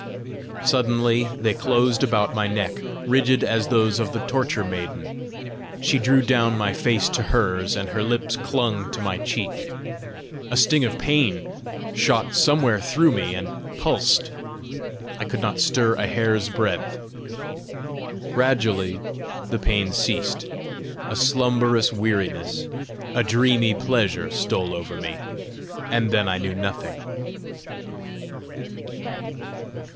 Suddenly they closed about my neck, rigid as those of the torture maiden. She drew down my face to hers, and her lips clung to my cheek. A sting of pain shot somewhere through me, and pulsed. I could not stir a hair's breadth. Gradually the pain ceased. A slumberous weariness, a dreamy pleasure stole over me, and then I knew nothing.